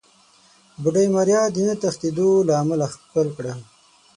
بوډۍ ماريا د نه تښتېدو له امله ښکل کړه.